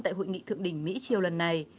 tại hội nghị thượng đỉnh mỹ triều lần này